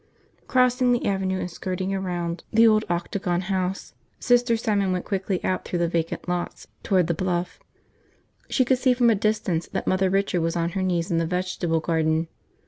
Crossing the avenue and skirting around the old Octagon House, Sister Simon went quickly out through the vacant lots toward the bluff. She could see from a distance that Mother Richard was on her knees in the vegetable garden.